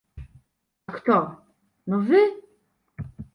A kto? No wy.